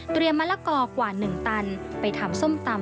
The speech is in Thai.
มะละกอกว่า๑ตันไปทำส้มตำ